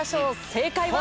正解は。